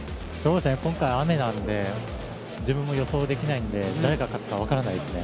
今回雨なので、自分も予想できないので誰が勝つか、分からないですね。